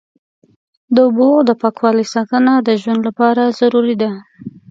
د اوبو د پاکوالي ساتنه د ژوند لپاره ضروري ده.